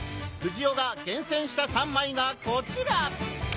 藤尾が厳選した３枚がコチラ！